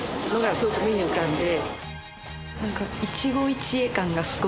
すごく目に浮かんで。